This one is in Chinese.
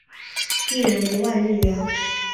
一人一万日元